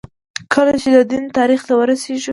کله چې د دین تاریخ ته وررسېږو.